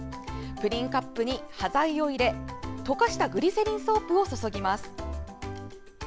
プリンカップに端材を入れ溶かしたグリセリンソープを注ぎます。